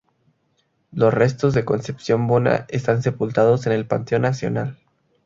Los restos de Concepción Bona están sepultados en el Panteón Nacional.